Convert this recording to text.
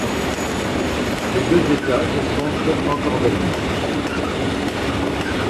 Les deux étages sont encorbellements.